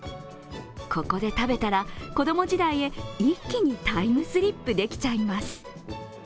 ここで食べたら子供時代へ一気にタイムスリップできちゃいます。